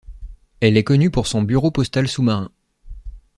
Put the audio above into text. Elle est connue pour son bureau postal sous-marin.